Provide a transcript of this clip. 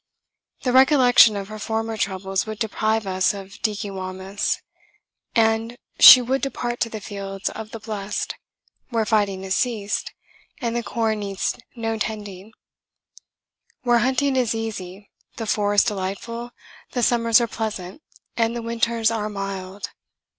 The recollection of her former troubles would deprive us of Dickewamis, and she would depart to the fields of the blessed, where fighting has ceased, and the corn needs no tending where hunting is easy, the forests delightful, the summers are pleasant, and the winters are mild!